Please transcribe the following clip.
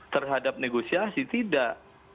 terhadap negosiasi tidak